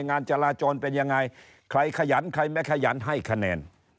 งานจราจรเป็นยังไงใครขยันใครไม่ขยันให้คะแนน